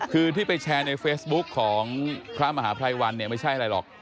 คือที่ไปแชร์ในเฟซบุ๊กของพระมหาภัยวันเนี่ยไม่ใช่อะไรหรอก